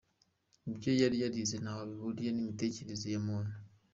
Ibyo yari yarize ntaho bihuriye n’Imitekerereze ya muntu.